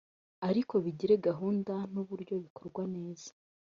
ariko bigire gahunda n’uburyo bikorwa neza